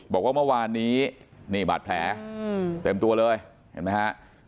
บอกว่าเมื่อวานนี้นี่บาดแผลเต็มตัวเลยเห็นไหมฮะ